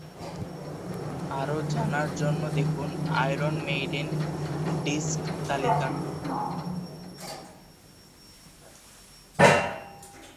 আরও জানার জন্য দেখুন আয়রন মেইডেন ডিস্ক তালিকা